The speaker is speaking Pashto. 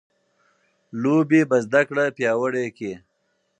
لوبې به زده کړه پیاوړې کړي.